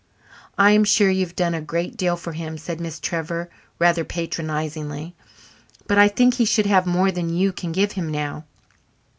"I am sure you have done a great deal for him," said Miss Trevor rather patronizingly. "But I think he should have more than you can give him now.